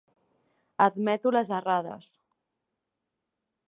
Admeto les errades!